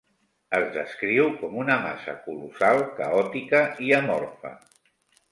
Es descriu com una massa colossal, caòtica i amorfa.